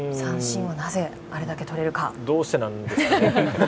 うーんどうしてなんですかね。